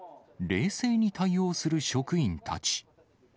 冷静に対応する職員たち。